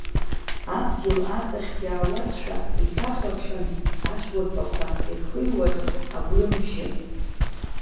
Адгьыл аҵахьтә иаауазшәа иҭахәаҽын ацәқәырԥақәа ирхыҩуаз агәрымбжьы.